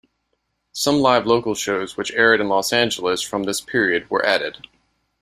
Some live local shows which aired in Los Angeles from this period were added.